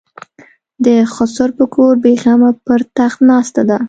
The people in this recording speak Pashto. د خسر په کور بېغمه پر تخت ناسته ده.